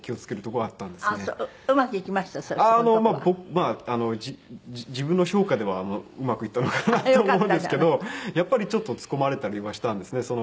まあ自分の評価ではうまくいったのかなと思うんですけどやっぱりちょっと突っ込まれたりはしたんですね。